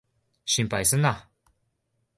心配すんな。